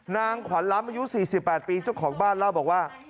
นางขวัญล้ำอายุ๔๘ปีเจ้าของบ้านเล่าบอกว่า